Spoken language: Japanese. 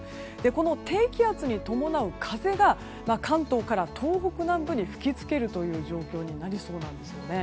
この低気圧に伴う風が、関東から東北南部に吹き付けるという状況になりそうなんです。